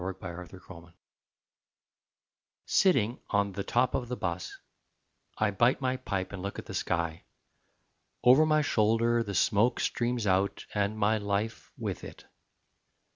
ON THE BUS Sitting on the top of the 'bus, I bite my pipe and look at the sky. Over my shoulder the smoke streams out And my life with it.